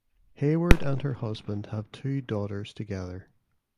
Hayward and her husband have two daughters together.